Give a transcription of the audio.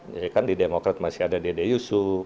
jadi kan di demokrat masih ada dede yusuf